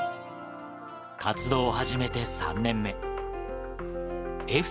活動を始めて３年目。笑